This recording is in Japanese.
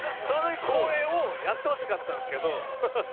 その時これをやってほしかったんですけど。